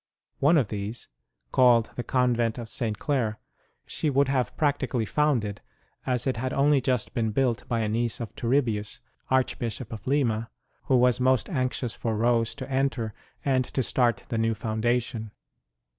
One of these, called the Convent of St. Clare, she would have prac tically founded, as it had only just been built by a niece of Turibius, Archbishop of Lima, who was most anxious for Rose to enter, and to start the new foundation.